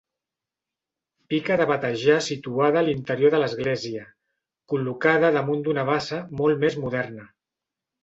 Pica de batejar situada a l'interior de l'església, col·locada damunt d'una base molt més moderna.